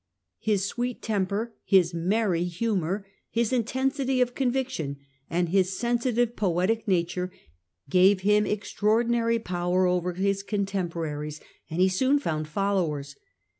His sweet temper, his merry humour, his intensity of conviction, and his sensitive poetic nature, gave him extraordinary power over his contemporaries, and he soon found followers.